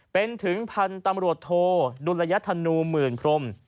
เป็นถึงพันธุ์ตำรวจโทดุลยธนูหมื่นพรม